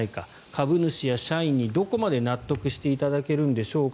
株主や社員にどこまで納得していただけるんでしょうか。